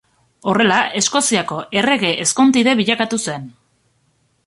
Horrela Eskoziako errege ezkontide bilakatu zen.